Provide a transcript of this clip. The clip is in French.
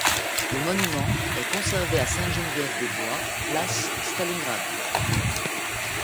Le monument est conservé à Sainte-Geneviève-des-Bois, place Stalingrad.